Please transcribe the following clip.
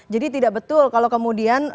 jadi tidak betul kalau kemudian